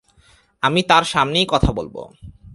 আমি তার সামনেই কথা বলব।